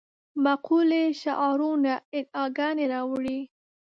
مقولې شعارونه ادعاګانې راوړې.